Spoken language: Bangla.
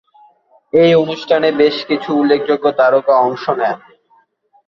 এই অনুষ্ঠানে বেশ কিছু উল্লেখযোগ্য তারকা অংশ নেন।